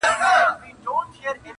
چي به خبره د پښتو چي د غیرت به سوله؛